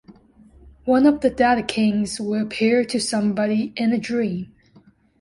One of the dead kings will appear to somebody in a dream.